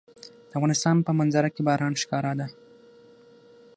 د افغانستان په منظره کې باران ښکاره ده.